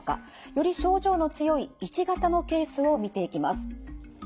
より症状の強いⅠ型のケースを見ていきます。